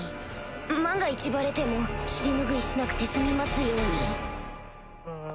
万が一バレても尻拭いしなくて済みますように